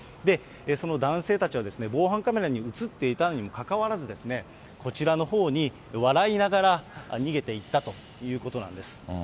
その男性たちは、防犯カメラに写っていたにもかかわらず、こちらのほうに、笑いながら逃げていったということなんです。